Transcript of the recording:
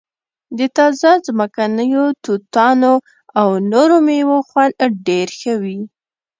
د تازه ځمکنیو توتانو او نورو میوو خوند ډیر ښه وي